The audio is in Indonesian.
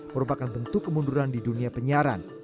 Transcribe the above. merupakan bentuk kemunduran di dunia penyiaran